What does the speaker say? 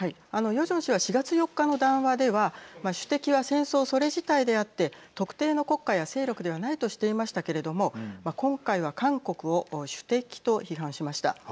ヨジョン氏は４月４日の談話では主敵は戦争、それ自体であって特定の国家や勢力ではないとしていましたけれども今回は韓国を主敵と批判しました。